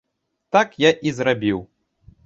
Так я і зрабіў.